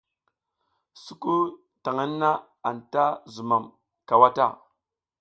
Sukuy taƞʼha anta zumam cawa ta.